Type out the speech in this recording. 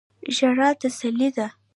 ژړا تسلی ده.